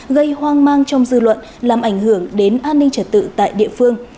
gây hoang mang trong dư luận làm ảnh hưởng đến an ninh trật tự tại địa phương